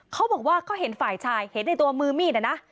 เขาบอกว่าก็เห็นฝ่ายชายเห็นในตัวมือมีดนะนะ